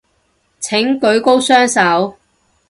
請舉高雙手